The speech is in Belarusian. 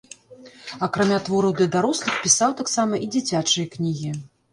Акрамя твораў для дарослых, пісаў таксама і дзіцячыя кнігі.